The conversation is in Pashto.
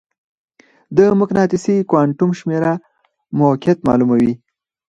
د مقناطیسي کوانټم شمېره موقعیت معلوموي.